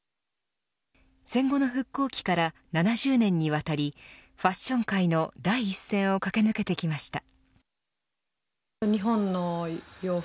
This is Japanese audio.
戦後の復興期から７０年にわたりファッション界の第一線を駆け抜けてきました。